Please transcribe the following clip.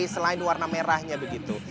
selain warna merahnya begitu